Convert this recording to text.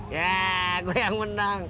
yah gua yang menang